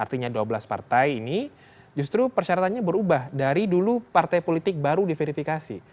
artinya dua belas partai ini justru persyaratannya berubah dari dulu partai politik baru diverifikasi